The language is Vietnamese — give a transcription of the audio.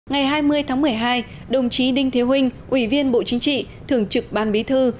ngày hai mươi tháng một mươi hai đồng chí đinh thế vinh ủy viên bộ chính trị thường trực ban bí thư